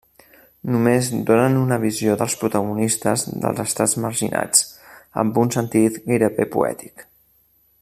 Només donen una visió dels protagonistes dels estrats marginats, amb un sentit gairebé poètic.